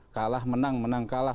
kalah menang menang kalah